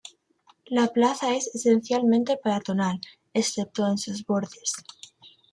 La plaza es esencialmente peatonal, excepto en sus bordes.